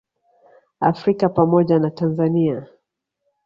Afrika pamoja na Tanzania